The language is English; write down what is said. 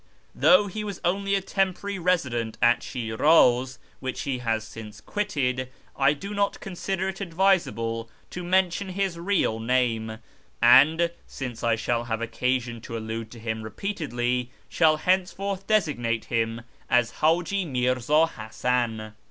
Though he was only a temporary resident at Shirtiz, which he has since quitted, I do not con sider it advisable to mention his real name, and (since I shall liave occasion to allude to him repeatedly) shall henceforth tlesiguate him as Haji Mirza Hasan.